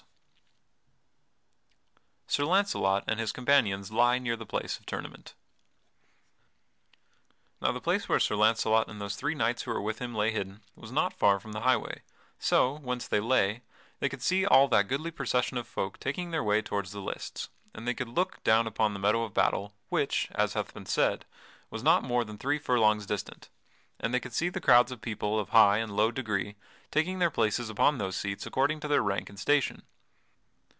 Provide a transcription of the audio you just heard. [Sidenote: Sir Launcelot and his companions lie near the place of tournament] Now the place where Sir Launcelot and those three knights who were with him lay hidden was not far from the highway, so, whence they lay, they could see all that goodly procession of folk taking their way toward the lists, and they could look down upon the meadow of battle, which, as hath been said, was not more than three furlongs distant, and they could see the crowds of people of high and low degree taking their places upon those seats according to their rank and station.